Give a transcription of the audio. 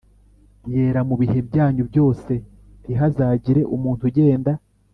yera mu bihe byanyu byose Ntihazagire umuntu ugenda